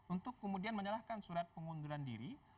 untuk kemudian menyalahkan surat pengunduran diri